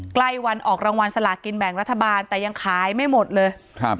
ใกล้วันออกรางวัลสลากินแบ่งรัฐบาลแต่ยังขายไม่หมดเลยครับ